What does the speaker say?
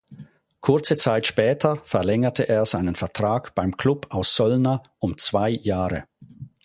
Kurze Zeit später verlängerte er seinen Vertrag beim Klub aus Solna um zwei Jahre.